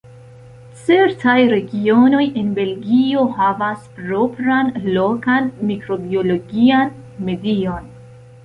Certaj regionoj en Belgio havas propran, lokan mikrobiologian medion.